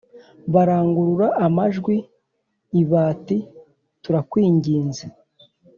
Barangurura amajwi i bati turakwinginze